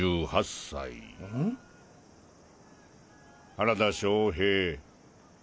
原田正平。